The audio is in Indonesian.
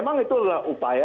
memang itulah upaya